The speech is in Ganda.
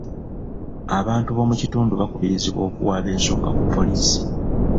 Abantu b'omu kitundu bakubirizibwa okuwaaba ensonga ku poliisi.